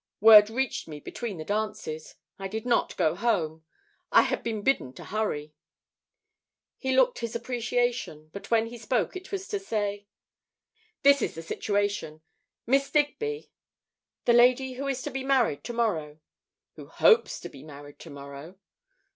Word reached me between the dances. I did not go home. I had been bidden to hurry." He looked his appreciation, but when he spoke it was to say: "This is the situation. Miss Digby " "The lady who is to be married tomorrow?" "Who hopes to be married tomorrow."